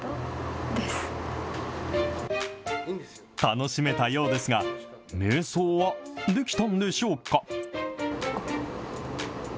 楽しめたようですが、めい想はできたんでしょうか。